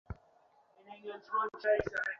আচ্ছা, আমি ভালো আছি।